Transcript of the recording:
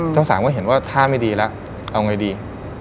เจ้าสาวก็เห็นว่าท่าไม่ดีแล้วเอาไงดี